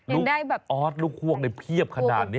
ลูกออดลูกพวกได้เพียบขนาดนี้